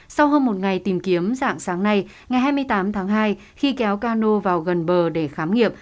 sau hơn một ngày tìm kiếm dạng sáng nay ngày hai mươi tám tháng hai khi kéo cano vào gần bờ để khám nghiệm